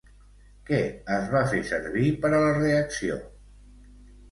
Què es va fer servir per a la reacció?